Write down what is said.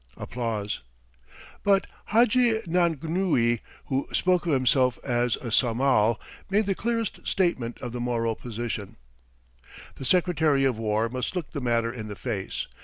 But Hadji Nangnui, who spoke of himself as "a Samal," made the clearest statement of the Moro position: "The Secretary of War must look the matter in the face.